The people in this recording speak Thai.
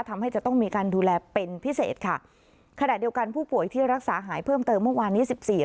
ทำให้จะต้องมีการดูแลเป็นพิเศษค่ะขณะเดียวกันผู้ป่วยที่รักษาหายเพิ่มเติมเมื่อวานนี้สิบสี่